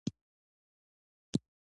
افغانستان په یورانیم باندې تکیه لري.